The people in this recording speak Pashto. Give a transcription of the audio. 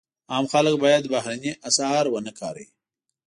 عام خلک باید بهرني اسعار ونه کاروي.